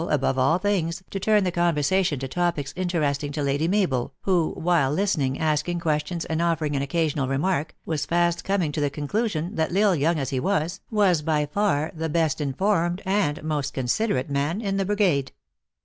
above all things, to turn the conversation to topics in teresting to Lady Mabel, who, while listening, asking questions, and offering an occasional remark, was fast coming to the conclusion that L Isle, young as he was, was by far the best informed and most considerate man in the brigade.